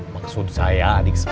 maksud saya adik sepupu